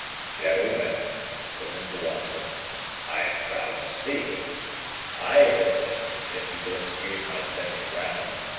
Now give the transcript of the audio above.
"Gentlemen," said Mr. Wopsle, "I am proud to see you. I hope, Mr. Pip, you will excuse my sending round.